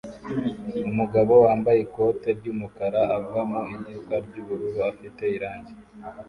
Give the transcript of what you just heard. Umugabo wambaye ikote ry'umukara ava mu iduka ry'ubururu afite irangi